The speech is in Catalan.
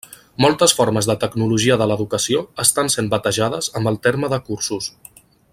Moltes formes de tecnologia de l’educació estan sent batejades amb el terme de cursos.